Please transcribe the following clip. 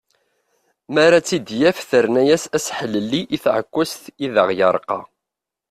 Mi ara tt-id-yaf terna-yas aseḥlelli i tεekkazt i d aɣ-yerqa.